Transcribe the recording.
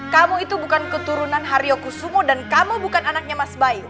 kamu itu bukan keturunan haryokusumo dan kamu bukan anaknya mas bayu